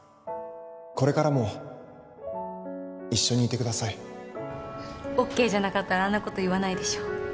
これからも一緒にいてくださいＯＫ じゃなかったらあんなこと言わないでしょ